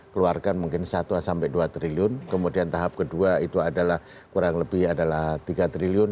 keluarkan mungkin satu sampai dua triliun kemudian tahap kedua itu adalah kurang lebih adalah tiga triliun